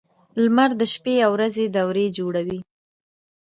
• لمر د شپې او ورځې دورې جوړوي.